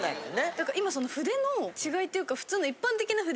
だから今その筆の違いっていうか普通の。